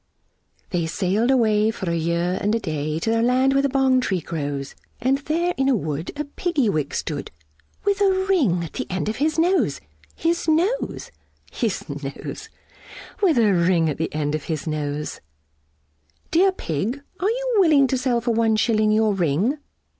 They sailed away for a year and a day, To the land where the Bong tree grows, And there in a wood a Piggy wig stood, With a ring at the end of his nose, His nose, His nose, With a ring at the end of his nose. "Dear Pig, are you willing to sell for one shilling Your ring?"